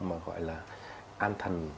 mà gọi là an thần